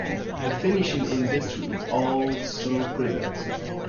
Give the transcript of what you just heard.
A fishing industry is also present.